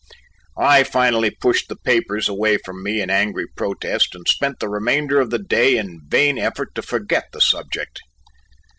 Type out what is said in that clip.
I finally pushed the papers away from me in angry protest and spent the remainder of the day in vain effort to forget the subject.